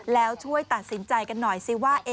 แล้วช่วยตัดสินใจกันหน่อยสิว่า